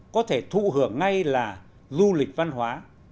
có thể thụ hưởng ngay là du lịch văn hóa